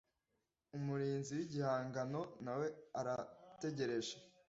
Umurinzi w igihango nawe arategereje